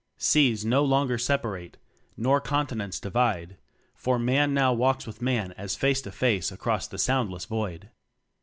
Seas no longer separate, nor continents divide, for Man now talks with Man as face to face across the soundless void.